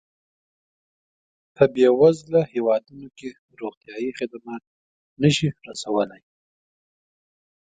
په بېوزله هېوادونو کې روغتیایي خدمات نه شي رسولای.